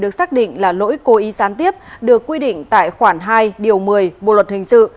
phát định là lỗi cố ý sán tiếp được quy định tại khoản hai điều một mươi bộ luật hình sự